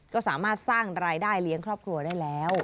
ก็สามารถสร้างรายได้เลี้ยงครอบครัวได้แล้ว